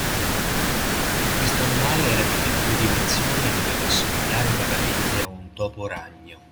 Questo animale era di piccole dimensioni e doveva assomigliare vagamente a un toporagno.